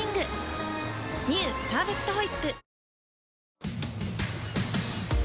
「パーフェクトホイップ」